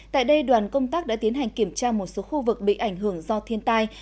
tại đây đoàn công tác đã tiến hành kiểm tra một số khu vực bị ảnh hưởng do thiên tai